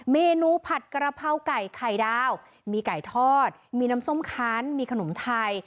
เมนูผัดกระเพราไก่ไข่ดาวมีไก่ทอดมีน้ำส้มคันมีขนมไทย